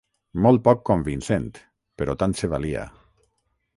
Molt poc convincent, però tant se valia.